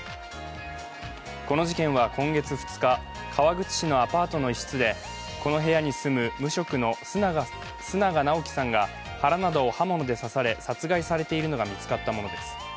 この事件は今月２日、川口市のアパートの一室でこの部屋に住む無職の須永尚樹さんが腹などを刃物で刺され、殺害されているのが見つかったものです。